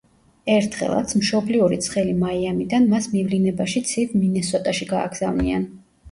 ერთხელაც მშობლიური ცხელი მაიამიდან მას მივლინებაში ცივ მინესოტაში გააგზავნიან.